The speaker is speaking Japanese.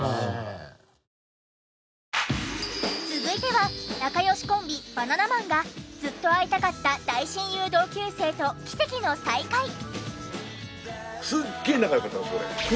続いては仲良しコンビバナナマンがずっと会いたかった大親友同級生と奇跡の再会。